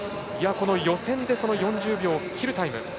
この予選で４０秒を切るタイム。